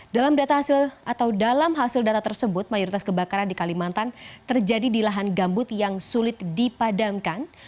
dalam hasil data tersebut mayoritas kebakaran di kalimantan terjadi di lahan gambut yang sulit dipadamkan